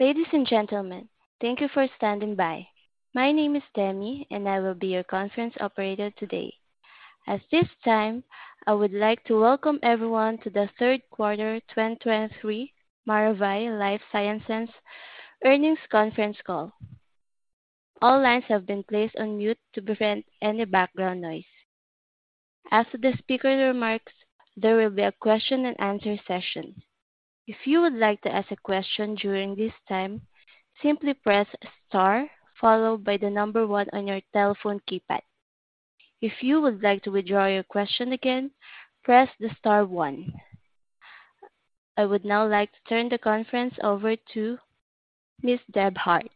Ladies and gentlemen, thank you for standing by. My name is Demi, and I will be your conference operator today. At this time, I would like to welcome everyone to the third quarter 2023 Maravai LifeSciences Earnings Conference Call. All lines have been placed on mute to prevent any background noise. After the speaker remarks, there will be a question and answer session. If you would like to ask a question during this time, simply press star followed by the number 1 on your telephone keypad. If you would like to withdraw your question again, press the star 1. I would now like to turn the conference over to Miss Deb Hart.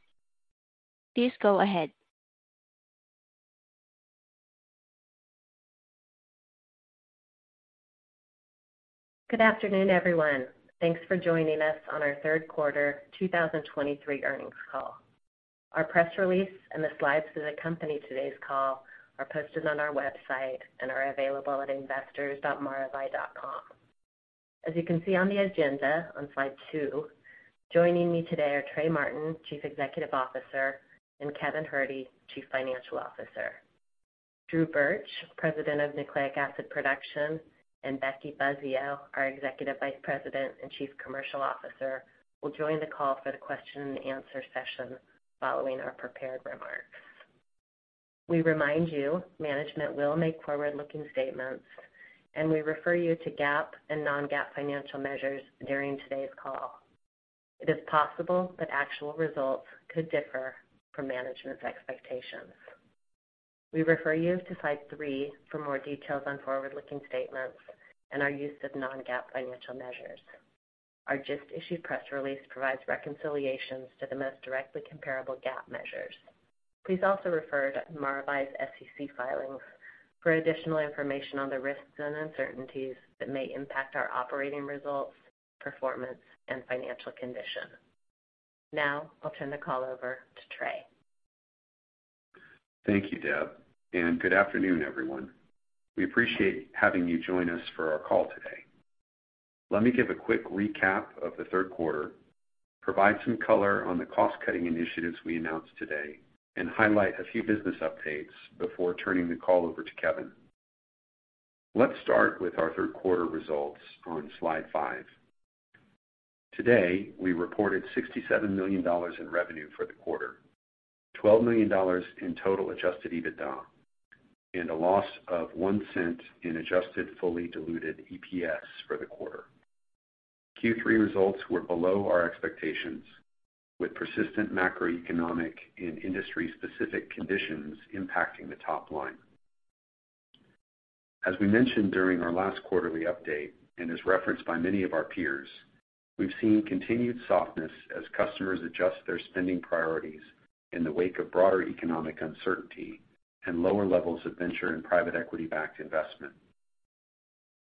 Please go ahead. Good afternoon, everyone. Thanks for joining us on our third quarter 2023 earnings call. Our press release and the slides that accompany today's call are posted on our website and are available at investors.maravai.com. As you can see on the agenda on slide 2, joining me today are Trey Martin, Chief Executive Officer, and Kevin Herde, Chief Financial Officer. Drew Burch, President of Nucleic Acid Production, and Becky Buzzeo, our Executive Vice President and Chief Commercial Officer, will join the call for the question and answer session following our prepared remarks. We remind you management will make forward-looking statements, and we refer you to GAAP and non-GAAP financial measures during today's call. It is possible that actual results could differ from management's expectations. We refer you to slide 3 for more details on forward-looking statements and our use of non-GAAP financial measures. Our just-issued press release provides reconciliations to the most directly comparable GAAP measures. Please also refer to Maravai's SEC filings for additional information on the risks and uncertainties that may impact our operating results, performance, and financial condition. Now I'll turn the call over to Trey. Thank you, Deb, and good afternoon, everyone. We appreciate having you join us for our call today. Let me give a quick recap of the third quarter, provide some color on the cost-cutting initiatives we announced today, and highlight a few business updates before turning the call over to Kevin. Let's start with our third quarter results on slide 5. Today, we reported $67 million in revenue for the quarter, $12 million in total Adjusted EBITDA, and a loss of $0.01 in adjusted fully diluted EPS for the quarter. Q3 results were below our expectations, with persistent macroeconomic and industry-specific conditions impacting the top line. As we mentioned during our last quarterly update, and as referenced by many of our peers, we've seen continued softness as customers adjust their spending priorities in the wake of broader economic uncertainty and lower levels of venture and private equity-backed investment.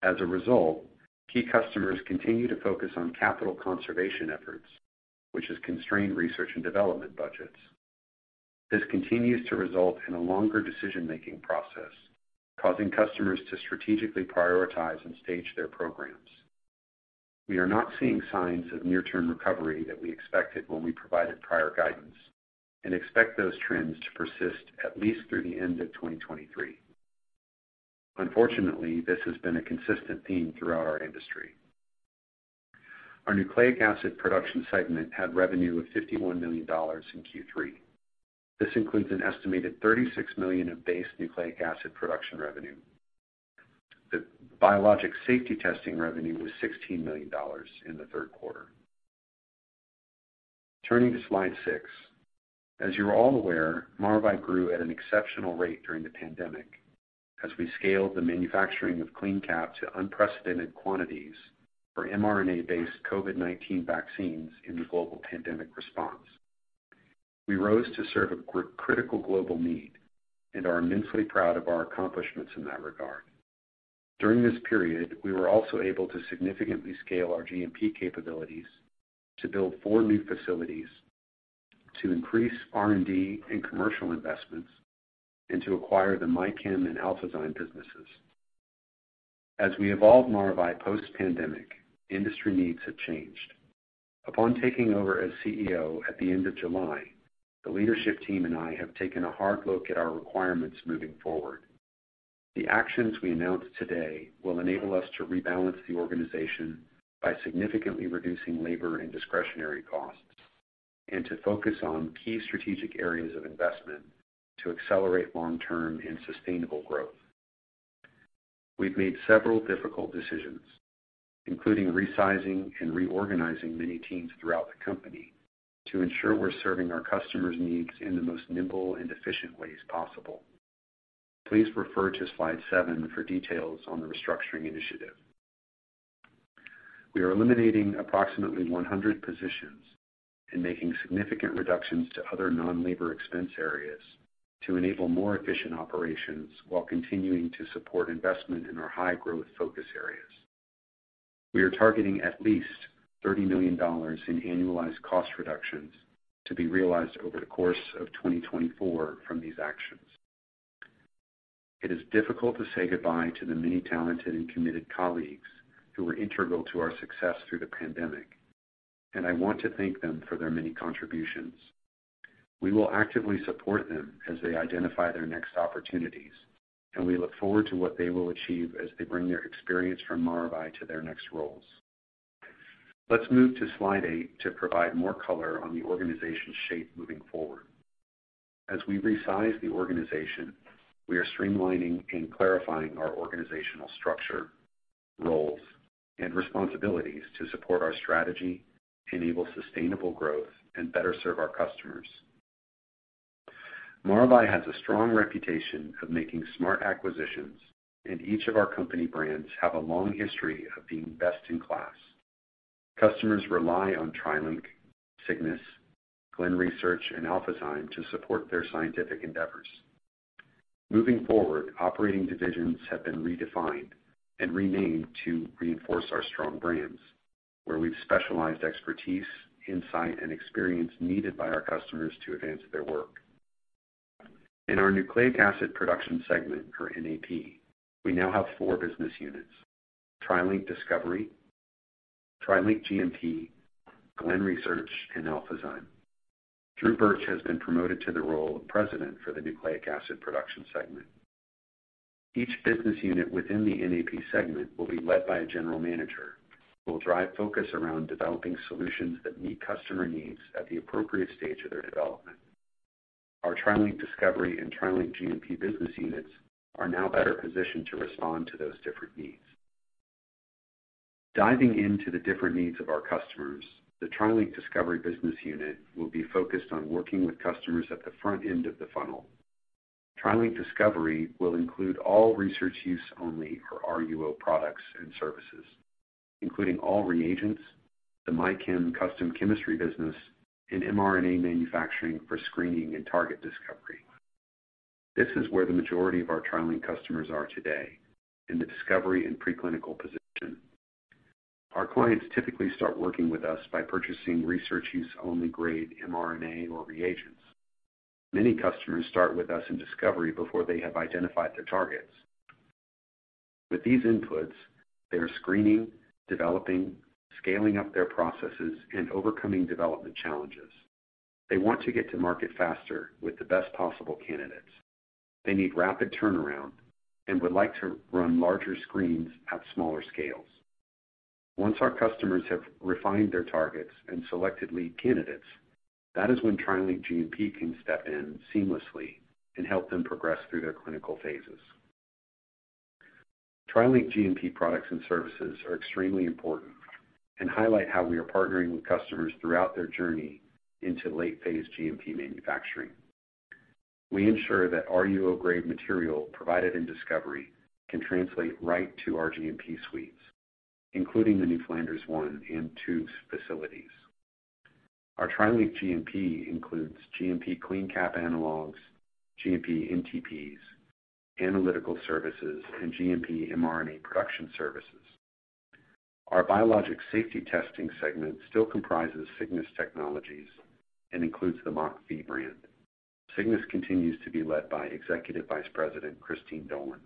As a result, key customers continue to focus on capital conservation efforts, which has constrained research and development budgets. This continues to result in a longer decision-making process, causing customers to strategically prioritize and stage their programs. We are not seeing signs of near-term recovery that we expected when we provided prior guidance and expect those trends to persist at least through the end of 2023. Unfortunately, this has been a consistent theme throughout our industry. Our nucleic acid production segment had revenue of $51 million in Q3. This includes an estimated $36 million of base nucleic acid production revenue. The biologics safety testing revenue was $16 million in the third quarter. Turning to slide 6. As you're all aware, Maravai grew at an exceptional rate during the pandemic as we scaled the manufacturing of CleanCap to unprecedented quantities for mRNA-based COVID-19 vaccines in the global pandemic response. We rose to serve a critical global need and are immensely proud of our accomplishments in that regard. During this period, we were also able to significantly scale our GMP capabilities to build four new facilities, to increase R&D and commercial investments, and to acquire the MyChem and Alphazyme businesses. As we evolve Maravai post-pandemic, industry needs have changed. Upon taking over as CEO at the end of July, the leadership team and I have taken a hard look at our requirements moving forward. The actions we announce today will enable us to rebalance the organization by significantly reducing labor and discretionary costs and to focus on key strategic areas of investment to accelerate long-term and sustainable growth. We've made several difficult decisions, including resizing and reorganizing many teams throughout the company, to ensure we're serving our customers' needs in the most nimble and efficient ways possible. Please refer to slide 7 for details on the restructuring initiative. We are eliminating approximately 100 positions and making significant reductions to other non-labor expense areas to enable more efficient operations while continuing to support investment in our high-growth focus areas. We are targeting at least $30 million in annualized cost reductions to be realized over the course of 2024 from these actions.... It is difficult to say goodbye to the many talented and committed colleagues who were integral to our success through the pandemic, and I want to thank them for their many contributions. We will actively support them as they identify their next opportunities, and we look forward to what they will achieve as they bring their experience from Maravai to their next roles. Let's move to Slide 8 to provide more color on the organization shape moving forward. As we resize the organization, we are streamlining and clarifying our organizational structure, roles, and responsibilities to support our strategy, enable sustainable growth, and better serve our customers. Maravai has a strong reputation of making smart acquisitions, and each of our company brands have a long history of being best in class. Customers rely on TriLink, Cygnus, Glen Research, and Alphazyme to support their scientific endeavors. Moving forward, operating divisions have been redefined and renamed to reinforce our strong brands, where we've specialized expertise, insight, and experience needed by our customers to advance their work. In our Nucleic Acid Production segment, or NAP, we now have four business units, TriLink Discovery, TriLink GMP, Glen Research, and Alphazyme. Drew Burch has been promoted to the role of President for the Nucleic Acid Production segment. Each business unit within the NAP segment will be led by a general manager, who will drive focus around developing solutions that meet customer needs at the appropriate stage of their development. Our TriLink Discovery and TriLink GMP business units are now better positioned to respond to those different needs. Diving into the different needs of our customers, the TriLink Discovery business unit will be focused on working with customers at the front end of the funnel. TriLink Discovery will include all research use only, or RUO, products and services, including all reagents, the MyChem custom chemistry business, and mRNA manufacturing for screening and target discovery. This is where the majority of our TriLink customers are today, in the discovery and preclinical position. Our clients typically start working with us by purchasing research use only grade mRNA or reagents. Many customers start with us in discovery before they have identified their targets. With these inputs, they are screening, developing, scaling up their processes, and overcoming development challenges. They want to get to market faster with the best possible candidates. They need rapid turnaround and would like to run larger screens at smaller scales. Once our customers have refined their targets and selected lead candidates, that is when TriLink GMP can step in seamlessly and help them progress through their clinical phases. TriLink GMP products and services are extremely important and highlight how we are partnering with customers throughout their journey into late phase GMP manufacturing. We ensure that RUO-grade material provided in discovery can translate right to our GMP suites, including the new Flanders One and Two facilities. Our TriLink GMP includes GMP CleanCap analogs, GMP NTPs, analytical services, and GMP mRNA production services. Our biologics safety testing segment still comprises Cygnus Technologies and includes the MockV brand. Cygnus continues to be led by Executive Vice President Christine Dolan.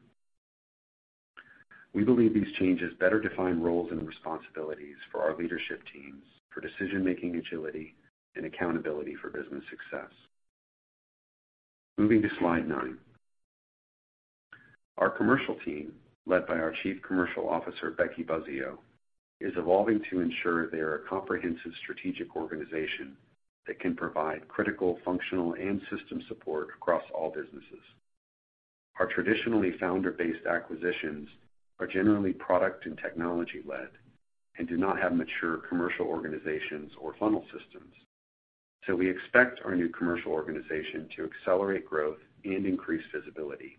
We believe these changes better define roles and responsibilities for our leadership teams, for decision-making, agility, and accountability for business success. Moving to Slide 9. Our commercial team, led by our Chief Commercial Officer, Becky Buzzeo, is evolving to ensure they are a comprehensive strategic organization that can provide critical functional and system support across all businesses. Our traditional founder-based acquisitions are generally product and technology-led and do not have mature commercial organizations or funnel systems, so we expect our new commercial organization to accelerate growth and increase visibility.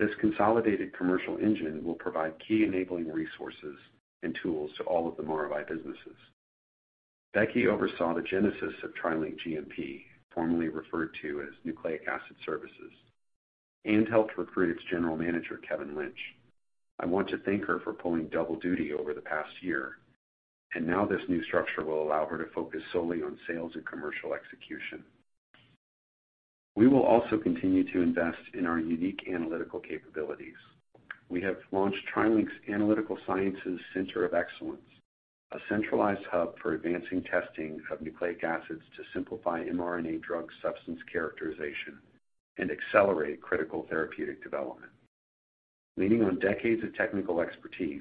This consolidated commercial engine will provide key enabling resources and tools to all of the Maravai businesses. Becky oversaw the genesis of TriLink GMP, formerly referred to as Nucleic Acid Services, and helped recruit its General Manager, Kevin Lynch. I want to thank her for pulling double duty over the past year, and now this new structure will allow her to focus solely on sales and commercial execution. We will also continue to invest in our unique analytical capabilities. We have launched TriLink's Analytical Sciences Center of Excellence, a centralized hub for advancing testing of nucleic acids to simplify mRNA drug substance characterization and accelerate critical therapeutic development. Leaning on decades of technical expertise,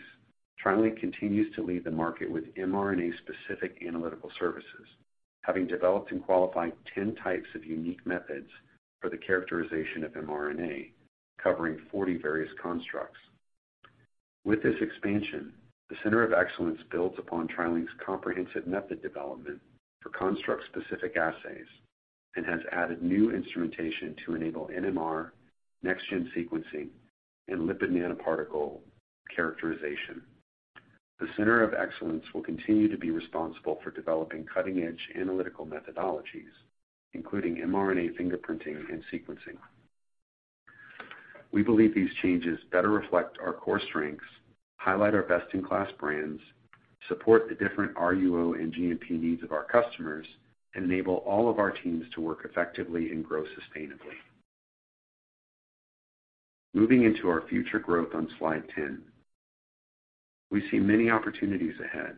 TriLink continues to lead the market with mRNA-specific analytical services, having developed and qualified 10 types of unique methods for the characterization of mRNA, covering 40 various constructs. With this expansion, the Center of Excellence builds upon TriLink's comprehensive method development for construct-specific assays and has added new instrumentation to enable NMR, next-gen sequencing, and lipid nanoparticle characterization. The Center of Excellence will continue to be responsible for developing cutting-edge analytical methodologies, including mRNA fingerprinting and sequencing. We believe these changes better reflect our core strengths, highlight our best-in-class brands, and support the different RUO and GMP needs of our customers, and enable all of our teams to work effectively and grow sustainably. Moving into our future growth on slide 10, we see many opportunities ahead,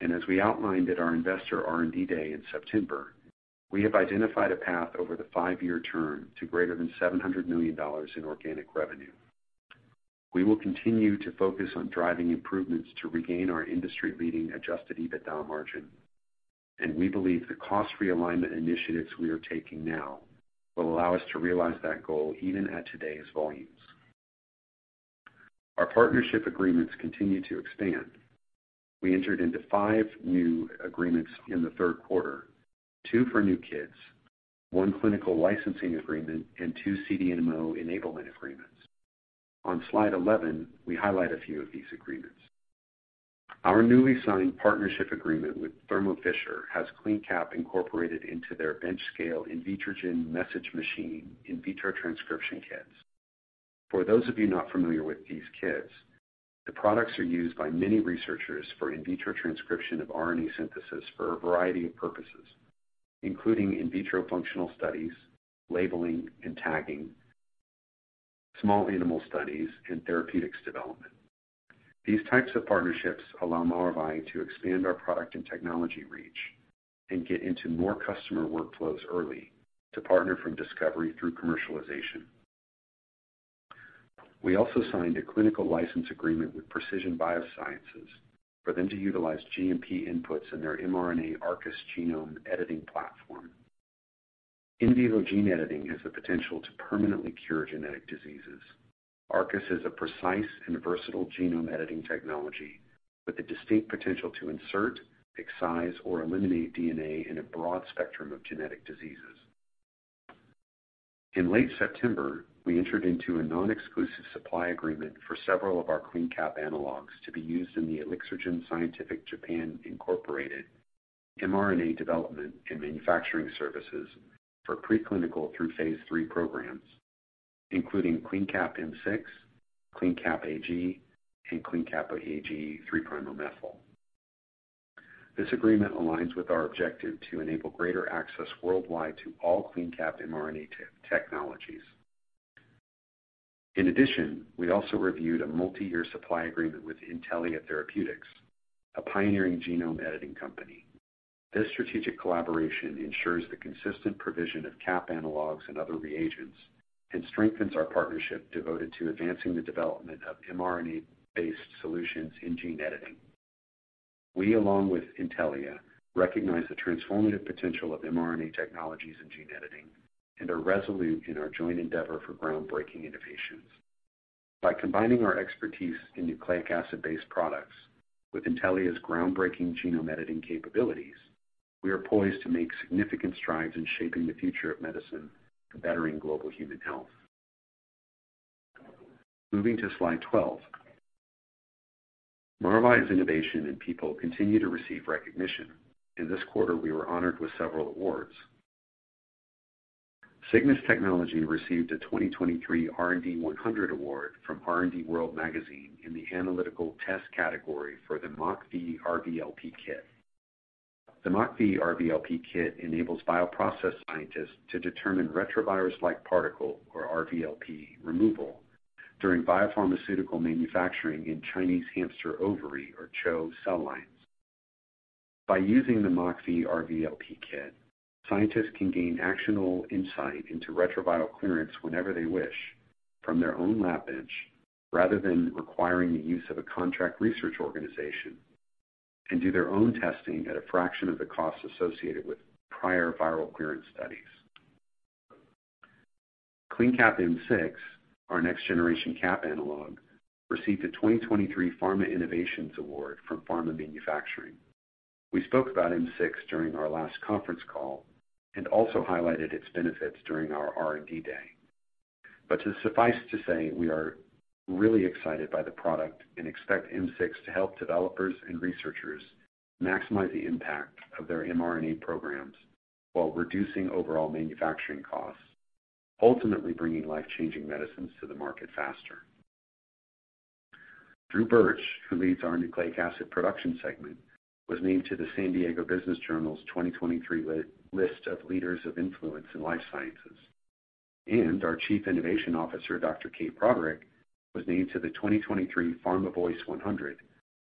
and as we outlined at our Investor R&D Day in September, we have identified a path over the 5-year term to greater than $700 million in organic revenue. We will continue to focus on driving improvements to regain our industry-leading Adjusted EBITDA margin, and we believe the cost realignment initiatives we are taking now will allow us to realize that goal even at today's volumes. Our partnership agreements continue to expand. We entered into 5 new agreements in the third quarter, 2 for new kits, 1 clinical licensing agreement, and 2 CDMO enablement agreements. On slide 11, we highlight a few of these agreements. Our newly signed partnership agreement with Thermo Fisher has CleanCap incorporated into their bench-scale in vitro gene messenger machine in vitro transcription kits. For those of you not familiar with these kits, the products are used by many researchers for in vitro transcription of RNA synthesis for a variety of purposes, including in vitro functional studies, labeling and tagging, small animal studies, and therapeutics development. These types of partnerships allow Maravai to expand our product and technology reach and get into more customer workflows early, to partner from discovery through commercialization. We also signed a clinical license agreement with Precision Biosciences for them to utilize GMP inputs in their mRNA ARCUS genome editing platform. In vivo gene editing has the potential to permanently cure genetic diseases. ARCUS is a precise and versatile genome editing technology with the distinct potential to insert, excise, or eliminate DNA in a broad spectrum of genetic diseases. In late September, we entered into a non-exclusive supply agreement for several of our CleanCap analogs to be used in the Elixirgen Scientific Japan Incorporated mRNA development and manufacturing services for preclinical through Phase Three programs, including CleanCap M6, CleanCap AG, and CleanCap AG 3'OMe. This agreement aligns with our objective to enable greater access worldwide to all CleanCap mRNA tech, technologies. In addition, we also renewed a multi-year supply agreement with Intellia Therapeutics, a pioneering genome editing company. This strategic collaboration ensures the consistent provision of cap analogs and other reagents, and strengthens our partnership devoted to advancing the development of mRNA-based solutions in gene editing. We, along with Intellia, recognize the transformative potential of mRNA technologies in gene editing, and are resolute in our joint endeavor for groundbreaking innovations. By combining our expertise in nucleic acid-based products with Intellia's groundbreaking genome editing capabilities, we are poised to make significant strides in shaping the future of medicine and bettering global human health. Moving to slide 12, Maravai's innovation and people continue to receive recognition. In this quarter, we were honored with several awards. Cygnus Technologies received a 2023 R&D 100 award from R&D World Magazine in the analytical test category for the MockV RVLP Kit. The MockV RVLP Kit enables bioprocess scientists to determine retrovirus-like particle, or RVLP, removal during biopharmaceutical manufacturing in Chinese hamster ovary, or CHO, cell lines. By using the MockV RVLP Kit, scientists can gain actionable insight into retroviral clearance whenever they wish from their own lab bench, rather than requiring the use of a contract research organization, and do their own testing at a fraction of the cost associated with prior viral clearance studies. CleanCap M6, our next generation cap analog, received the 2023 Pharma Innovations Award from Pharma Manufacturing. We spoke about M6 during our last conference call and also highlighted its benefits during our R&D Day. But to suffice to say, we are really excited by the product and expect M6 to help developers and researchers maximize the impact of their mRNA programs while reducing overall manufacturing costs, ultimately bringing life-changing medicines to the market faster. Drew Burch, who leads our nucleic acid production segment, was named to the San Diego Business Journal's 2023 list of Leaders of Influence in Life Sciences. Our Chief Innovation Officer, Dr. Kate Broderick, was named to the 2023 PharmaVoice 100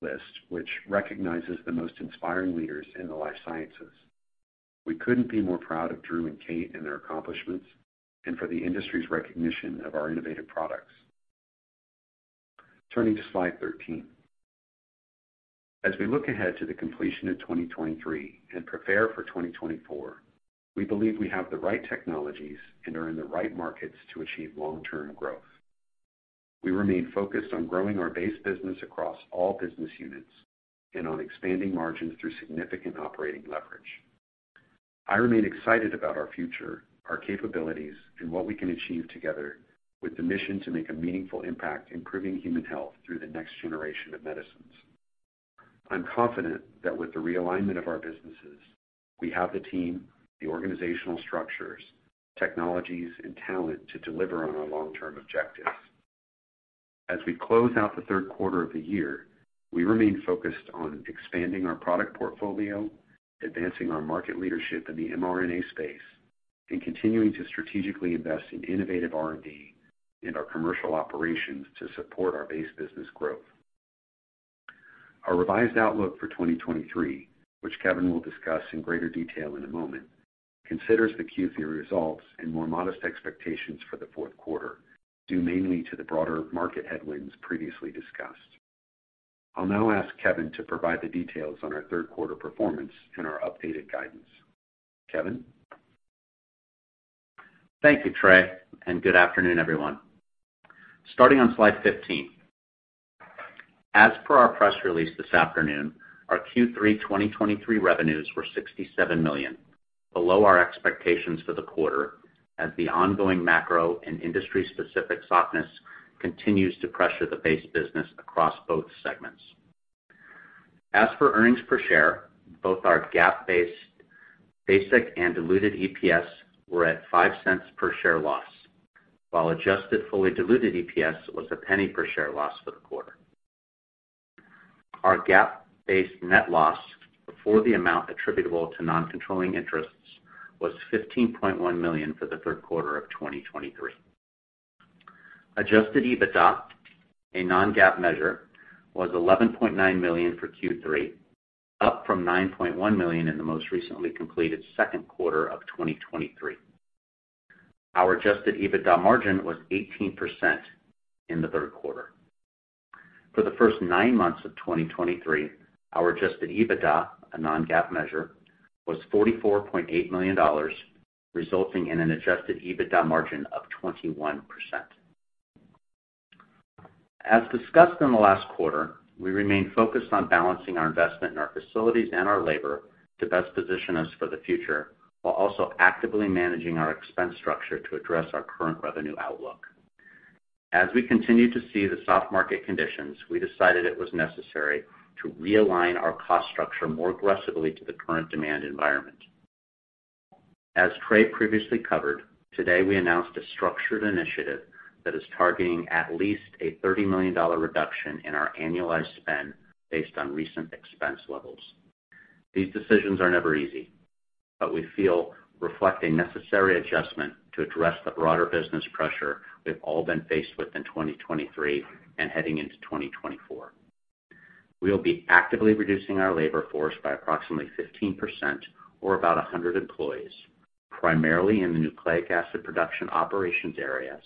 list, which recognizes the most inspiring leaders in the life sciences. We couldn't be more proud of Drew and Kate and their accomplishments, and for the industry's recognition of our innovative products. Turning to slide 13, as we look ahead to the completion of 2023 and prepare for 2024, we believe we have the right technologies and are in the right markets to achieve long-term growth. We remain focused on growing our base business across all business units and on expanding margins through significant operating leverage. I remain excited about our future, our capabilities, and what we can achieve together with the mission to make a meaningful impact improving human health through the next generation of medicines. I'm confident that with the realignment of our businesses, we have the team, the organizational structures, technologies, and talent to deliver on our long-term objectives. As we close out the third quarter of the year, we remain focused on expanding our product portfolio, advancing our market leadership in the mRNA space, and continuing to strategically invest in innovative R&D and our commercial operations to support our base business growth. Our revised outlook for 2023, which Kevin will discuss in greater detail in a moment, considers the Q3 results and more modest expectations for the fourth quarter, due mainly to the broader market headwinds previously discussed. I'll now ask Kevin to provide the details on our third quarter performance and our updated guidance. Kevin? Thank you, Trey, and good afternoon, everyone. Starting on slide 15. As per our press release this afternoon, our Q3 2023 revenues were $67 million, below our expectations for the quarter, as the ongoing macro and industry-specific softness continues to pressure the base business across both segments. As for earnings per share, both our GAAP-based basic and diluted EPS were at $0.05 per share loss, while adjusted fully diluted EPS was a $0.01 per share loss for the quarter. Our GAAP-based net loss before the amount attributable to non-controlling interests, was $15.1 million for the third quarter of 2023. Adjusted EBITDA, a non-GAAP measure, was $11.9 million for Q3, up from $9.1 million in the most recently completed second quarter of 2023. Our adjusted EBITDA margin was 18% in the third quarter. For the first nine months of 2023, our adjusted EBITDA, a non-GAAP measure, was $44.8 million, resulting in an adjusted EBITDA margin of 21%. As discussed in the last quarter, we remain focused on balancing our investment in our facilities and our labor to best position us for the future, while also actively managing our expense structure to address our current revenue outlook. As we continue to see the soft market conditions, we decided it was necessary to realign our cost structure more aggressively to the current demand environment. As Trey previously covered, today, we announced a structured initiative that is targeting at least a $30 million reduction in our annualized spend based on recent expense levels. These decisions are never easy, but we feel reflect a necessary adjustment to address the broader business pressure we've all been faced with in 2023 and heading into 2024. We will be actively reducing our labor force by approximately 15%, or about 100 employees, primarily in the nucleic acid production operations areas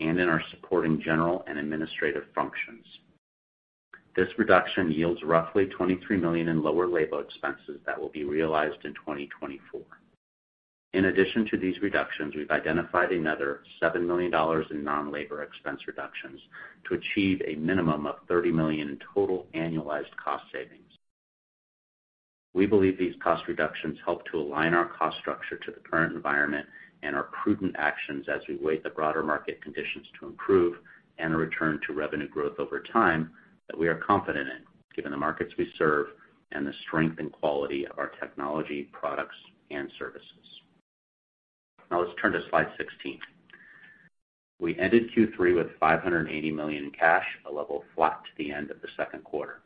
and in our supporting general and administrative functions. This reduction yields roughly $23 million in lower labor expenses that will be realized in 2024. In addition to these reductions, we've identified another $7 million in non-labor expense reductions to achieve a minimum of $30 million in total annualized cost savings. We believe these cost reductions help to align our cost structure to the current environment and are prudent actions as we await the broader market conditions to improve and a return to revenue growth over time that we are confident in, given the markets we serve and the strength and quality of our technology, products, and services. Now let's turn to slide 16. We ended Q3 with $580 million in cash, a level flat to the end of the second quarter.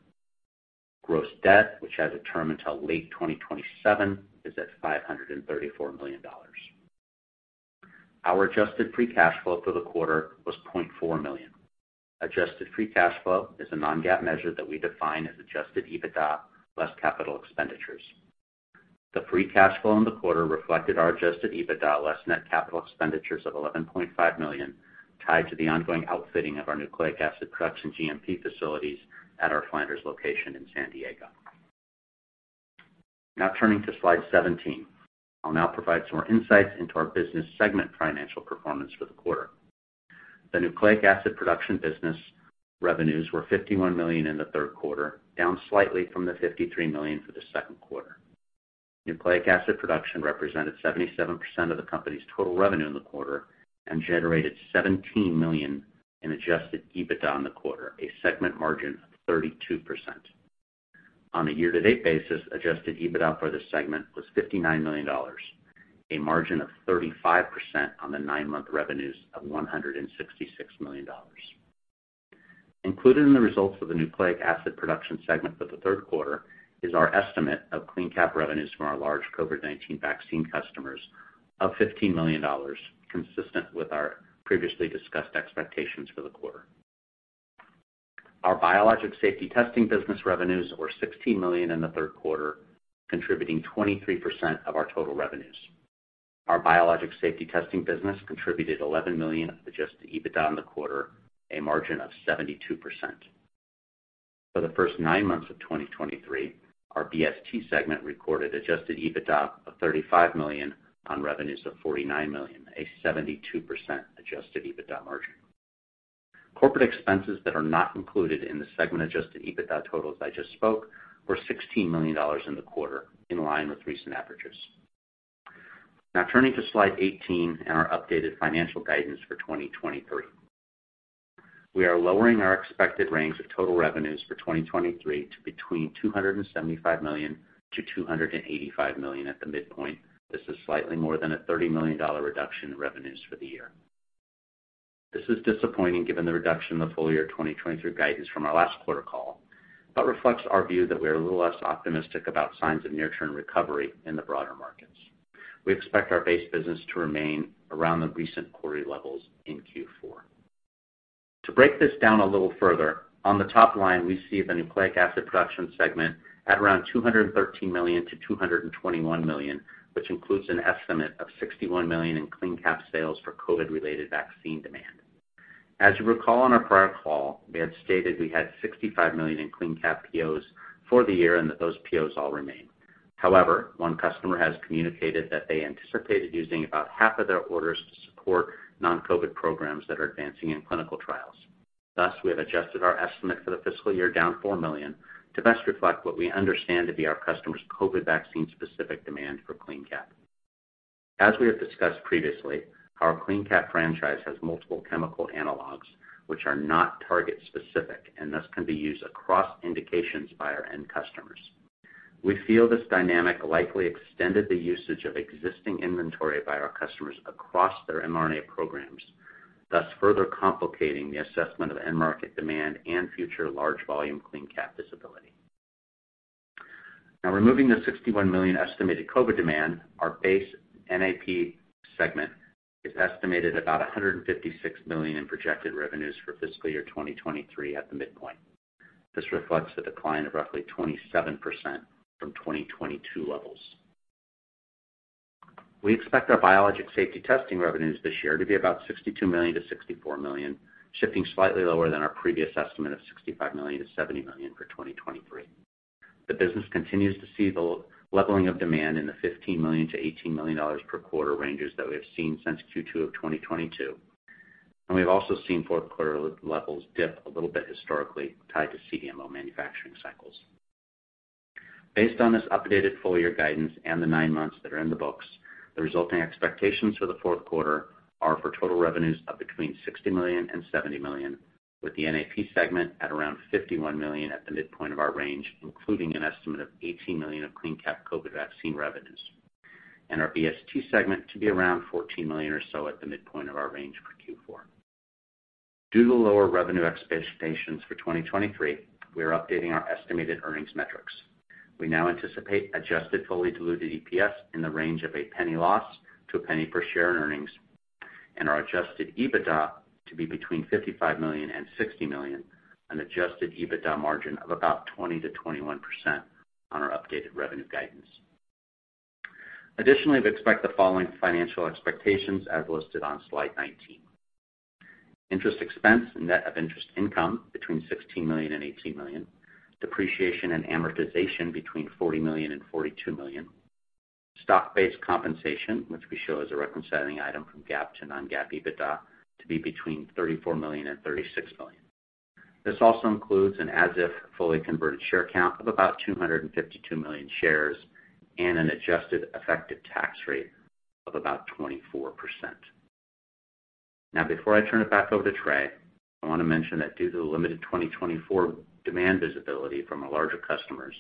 Gross debt, which has a term until late 2027, is at $534 million. Our Adjusted Free Cash Flow for the quarter was $0.4 million. Adjusted Free Cash Flow is a non-GAAP measure that we define as Adjusted EBITDA less capital expenditures. The free cash flow in the quarter reflected our Adjusted EBITDA less net capital expenditures of $11.5 million, tied to the ongoing outfitting of our nucleic acid production GMP facilities at our Flanders location in San Diego. Now turning to slide 17. I'll now provide some more insights into our business segment financial performance for the quarter. The nucleic acid production business revenues were $51 million in the third quarter, down slightly from the $53 million for the second quarter. Nucleic acid production represented 77% of the company's total revenue in the quarter and generated $17 million in Adjusted EBITDA in the quarter, a segment margin of 32%. On a year-to-date basis, Adjusted EBITDA for the segment was $59 million, a margin of 35% on the nine-month revenues of $166 million. Included in the results of the Nucleic Acid Production segment for the third quarter is our estimate of CleanCap revenues from our large COVID-19 vaccine customers of $15 million, consistent with our previously discussed expectations for the quarter. Our biologics safety testing business revenues were $16 million in the third quarter, contributing 23% of our total revenues. Our biologics safety testing business contributed $11 million of adjusted EBITDA in the quarter, a margin of 72%. For the first nine months of 2023, our BST segment recorded adjusted EBITDA of $35 million on revenues of $49 million, a 72% adjusted EBITDA margin. Corporate expenses that are not included in the segment adjusted EBITDA totals I just spoke, were $16 million in the quarter, in line with recent averages. Now turning to slide 18, and our updated financial guidance for 2023. We are lowering our expected range of total revenues for 2023 to between $275 million-$285 million at the midpoint. This is slightly more than a $30 million reduction in revenues for the year.... This is disappointing given the reduction in the full-year 2023 guidance from our last quarter call, but reflects our view that we are a little less optimistic about signs of near-term recovery in the broader markets. We expect our base business to remain around the recent quarterly levels in Q4. To break this down a little further, on the top line, we see the nucleic acid production segment at around $213 million-$221 million, which includes an estimate of $61 million in CleanCap sales for COVID-related vaccine demand. As you recall, on our prior call, we had stated we had $65 million in CleanCap POs for the year and that those POs all remain. However, one customer has communicated that they anticipated using about half of their orders to support non-COVID programs that are advancing in clinical trials. Thus, we have adjusted our estimate for the fiscal year down $4 million to best reflect what we understand to be our customer's COVID vaccine-specific demand for CleanCap. As we have discussed previously, our CleanCap franchise has multiple chemical analogues, which are not target-specific, and thus can be used across indications by our end customers. We feel this dynamic likely extended the usage of existing inventory by our customers across their mRNA programs, thus further complicating the assessment of end market demand and future large volume CleanCap visibility. Now, removing the $61 million estimated COVID demand, our base NAP segment is estimated about $156 million in projected revenues for fiscal year 2023 at the midpoint. This reflects a decline of roughly 27% from 2022 levels. We expect our biologics safety testing revenues this year to be about $62 million-$64 million, shifting slightly lower than our previous estimate of $65 million-$70 million for 2023. The business continues to see the leveling of demand in the $15 million-$18 million per quarter ranges that we have seen since Q2 of 2022, and we've also seen fourth quarter levels dip a little bit historically, tied to CDMO manufacturing cycles. Based on this updated full-year guidance and the 9 months that are in the books, the resulting expectations for the fourth quarter are for total revenues of between $60 million and $70 million, with the NAP segment at around $51 million at the midpoint of our range, including an estimate of $18 million of CleanCap COVID vaccine revenues, and our BST segment to be around $14 million or so at the midpoint of our range for Q4. Due to the lower revenue expectations for 2023, we are updating our estimated earnings metrics. We now anticipate adjusted fully diluted EPS in the range of a $0.01 loss to a $0.01 per share in earnings, and our adjusted EBITDA to be between $55 million and $60 million, an adjusted EBITDA margin of about 20%-21% on our updated revenue guidance. Additionally, we expect the following financial expectations as listed on slide 19. Interest expense and net of interest income, between $16 million and $18 million. Depreciation and amortization, between $40 million and $42 million. Stock-based compensation, which we show as a reconciling item from GAAP to non-GAAP EBITDA, to be between $34 million and $36 million. This also includes an as-if fully converted share count of about 252 million shares and an adjusted effective tax rate of about 24%. Now, before I turn it back over to Trey, I want to mention that due to the limited 2024 demand visibility from our larger customers,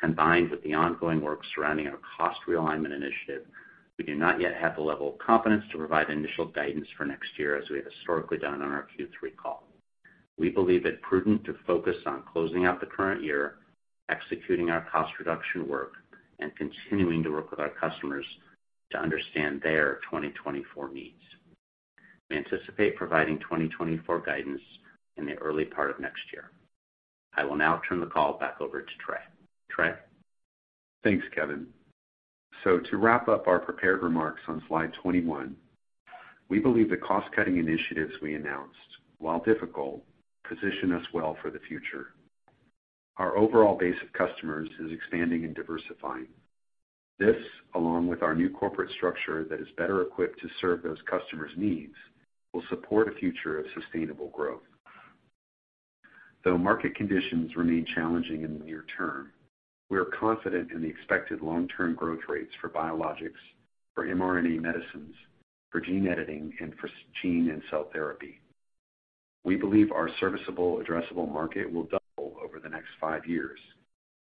combined with the ongoing work surrounding our cost realignment initiative, we do not yet have the level of confidence to provide initial guidance for next year as we have historically done on our Q3 call. We believe it prudent to focus on closing out the current year, executing our cost reduction work, and continuing to work with our customers to understand their 2024 needs. We anticipate providing 2024 guidance in the early part of next year. I will now turn the call back over to Trey. Trey? Thanks, Kevin. So to wrap up our prepared remarks on slide 21, we believe the cost-cutting initiatives we announced, while difficult, position us well for the future. Our overall base of customers is expanding and diversifying. This, along with our new corporate structure that is better equipped to serve those customers' needs, will support a future of sustainable growth. Though market conditions remain challenging in the near term, we are confident in the expected long-term growth rates for biologics, for mRNA medicines, for gene editing, and for cell and gene therapy. We believe our serviceable addressable market will double over the next five years,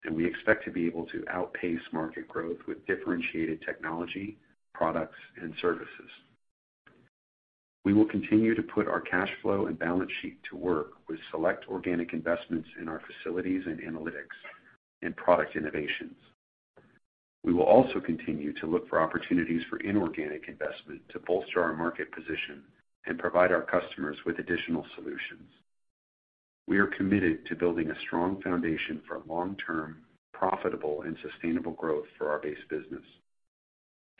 and we expect to be able to outpace market growth with differentiated technology, products, and services. We will continue to put our cash flow and balance sheet to work with select organic investments in our facilities and analytics and product innovations. We will also continue to look for opportunities for inorganic investment to bolster our market position and provide our customers with additional solutions. We are committed to building a strong foundation for long-term, profitable, and sustainable growth for our base business.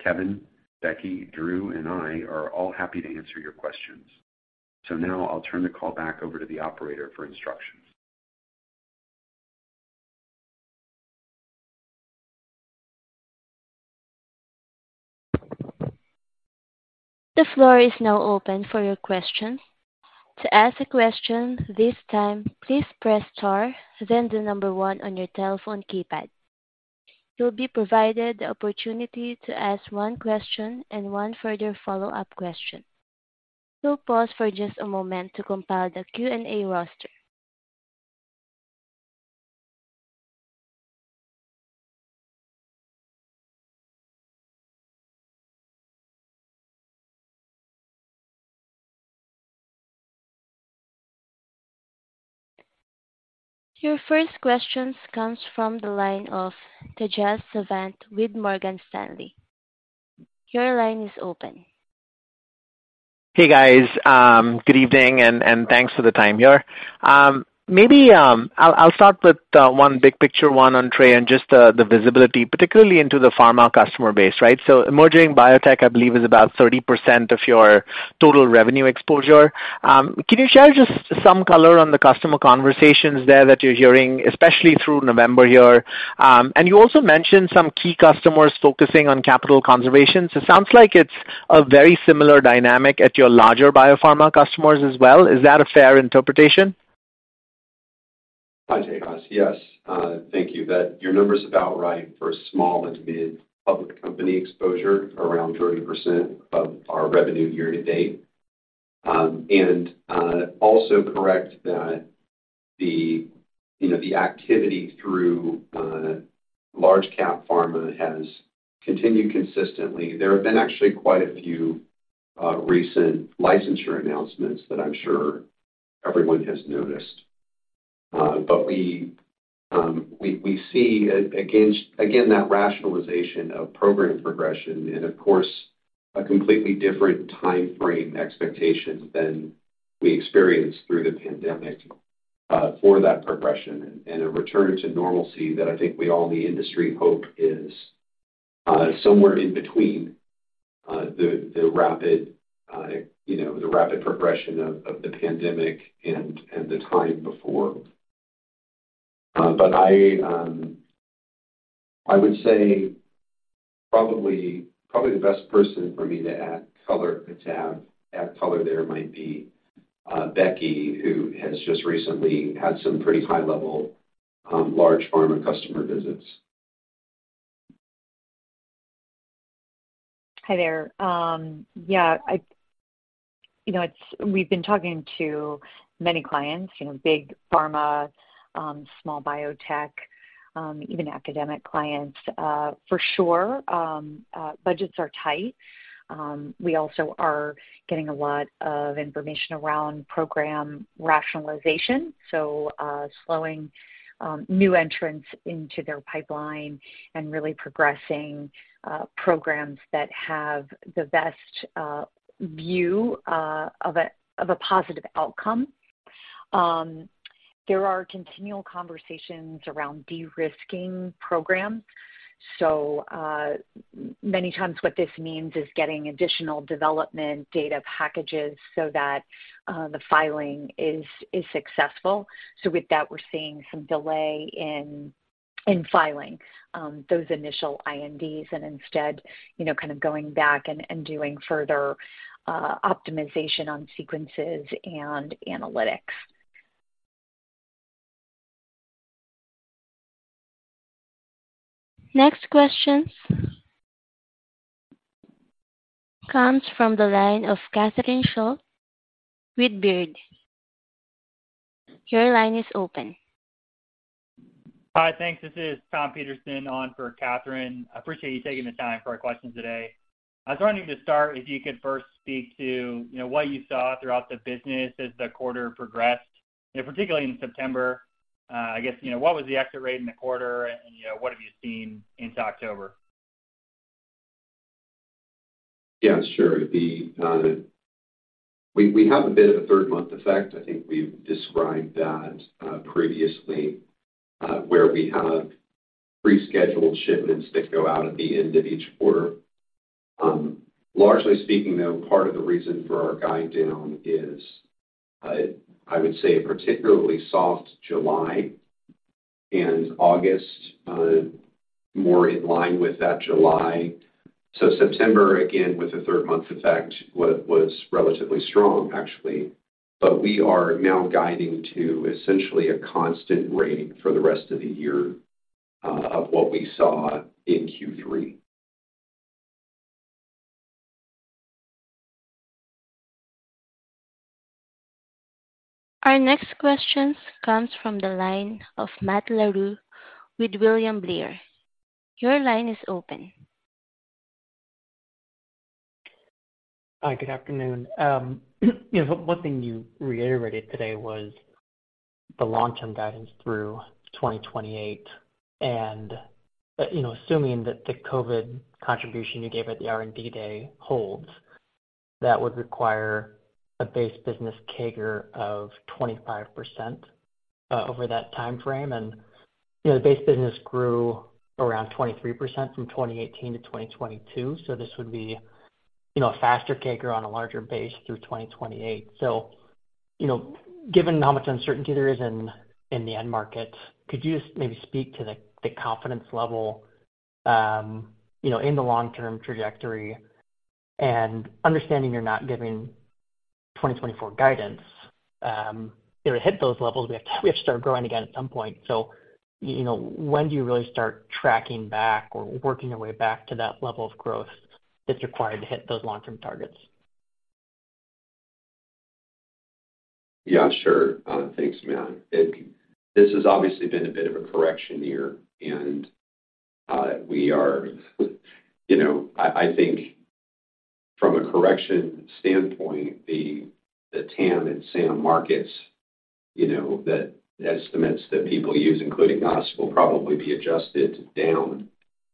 Kevin, Becky, Drew, and I are all happy to answer your questions. So now I'll turn the call back over to the operator for instructions. The floor is now open for your questions. To ask a question this time, please press star, then the number one on your telephone keypad. You'll be provided the opportunity to ask one question and one further follow-up question. We'll pause for just a moment to compile the Q&A roster. ... Your first question comes from the line of Tejas Savant with Morgan Stanley. Your line is open. Hey, guys. Good evening, and thanks for the time here. Maybe I'll start with one big picture, one on Trey, and just the visibility, particularly into the pharma customer base, right? So emerging biotech, I believe, is about 30% of your total revenue exposure. Can you share just some color on the customer conversations there that you're hearing, especially through November here? And you also mentioned some key customers focusing on capital conservation. So it sounds like it's a very similar dynamic at your larger biopharma customers as well. Is that a fair interpretation? Hi, Tejas. Yes, thank you. Your number's about right for small and mid-public company exposure, around 30% of our revenue year to date. And, also correct that the, you know, the activity through, large cap pharma has continued consistently. There have been actually quite a few, recent licensure announcements that I'm sure everyone has noticed. But we, we, we see again, that rationalization of program progression and of course, a completely different timeframe expectation than we experienced through the pandemic, for that progression and a return to normalcy that I think we all in the industry hope is, somewhere in between, the, the rapid, you know, the rapid progression of, of the pandemic and, and the time before. But I would say probably, probably the best person for me to add color, to add, add color there might be Becky, who has just recently had some pretty high-level large pharma customer visits. Hi there. Yeah, you know, it's, we've been talking to many clients, you know, big pharma, small biotech, even academic clients. For sure, budgets are tight. We also are getting a lot of information around program rationalization, so, slowing new entrants into their pipeline and really progressing programs that have the best view of a positive outcome. There are continual conversations around de-risking programs. So, many times what this means is getting additional development data packages so that the filing is successful. So with that, we're seeing some delay in filing those initial INDs and instead, you know, kind of going back and doing further optimization on sequences and analytics. Next question comes from the line of Catherine Schultz with Baird. Your line is open. Hi, thanks. This is Tom Peterson on for Catherine. I appreciate you taking the time for our questions today. I was wondering to start, if you could first speak to, you know, what you saw throughout the business as the quarter progressed, and particularly in September. I guess, you know, what was the exit rate in the quarter and, you know, what have you seen into October? Yeah, sure. We have a bit of a third-month effect. I think we've described that previously, where we have rescheduled shipments that go out at the end of each quarter. Largely speaking, though, part of the reason for our guide down is, I would say, a particularly soft July and August, more in line with that July. So September, again, with the third-month effect, was relatively strong, actually. But we are now guiding to essentially a constant rate for the rest of the year, of what we saw in Q3. Our next question comes from the line of Matt LaRue with William Blair. Your line is open. Hi, good afternoon. You know, one thing you reiterated today was the long-term guidance through 2028, and, you know, assuming that the COVID contribution you gave at the R&D Day holds, that would require a base business CAGR of 25%, over that time frame. And, you know, the base business grew around 23% from 2018 to 2022, so this would be, you know, a faster CAGR on a larger base through 2028. So, you know, given how much uncertainty there is in the end market, could you just maybe speak to the confidence level, you know, in the long-term trajectory? And understanding you're not giving 2024 guidance, you know, to hit those levels, we have to, we have to start growing again at some point. You know, when do you really start tracking back or working your way back to that level of growth that's required to hit those long-term targets?... Yeah, sure. Thanks, Matt. This has obviously been a bit of a correction year, and we are, you know, I think from a correction standpoint, the TAM and SAM markets, you know, the estimates that people use, including us, will probably be adjusted down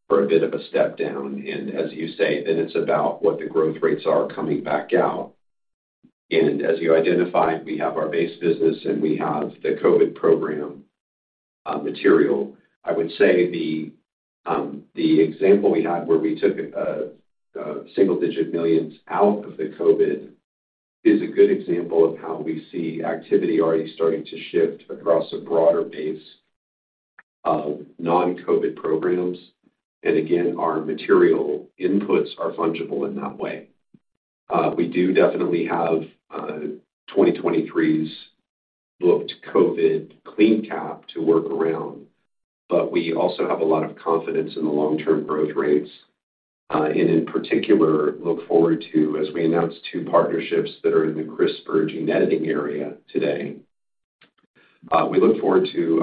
for a bit of a step down. And as you say, then it's about what the growth rates are coming back out. And as you identified, we have our base business, and we have the COVID program material. I would say the example we had where we took single digit millions out of the COVID is a good example of how we see activity already starting to shift across a broader base of non-COVID programs. And again, our material inputs are fungible in that way. We do definitely have 2023's post-COVID CleanCap to work around, but we also have a lot of confidence in the long-term growth rates, and in particular, look forward to, as we announce two partnerships that are in the CRISPR gene editing area today. We look forward to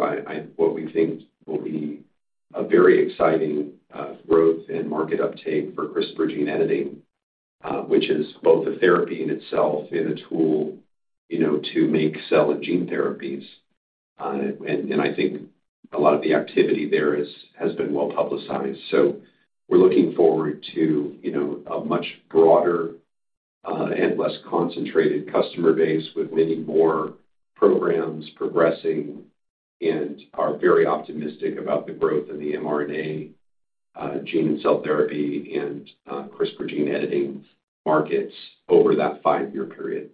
what we think will be a very exciting growth and market uptake for CRISPR gene editing, which is both a therapy in itself and a tool, you know, to make cell and gene therapies. And I think a lot of the activity there has been well publicized. We're looking forward to, you know, a much broader and less concentrated customer base, with many more programs progressing, and are very optimistic about the growth in the mRNA, gene and cell therapy and CRISPR gene editing markets over that five-year period.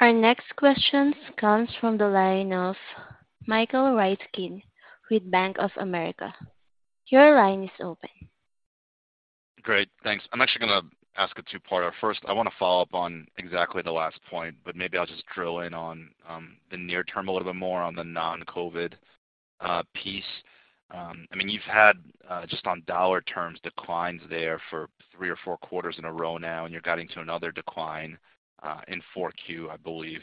Our next question comes from `the line of Michael Ryskin with Bank of America. Your line is open. Great, thanks. I'm actually going to ask a two-parter. First, I want to follow up on exactly the last point, but maybe I'll just drill in on the near term, a little bit more on the non-COVID piece. I mean, you've had just on dollar terms, declines there for three or four quarters in a row now, and you're guiding to another decline in Q4, I believe.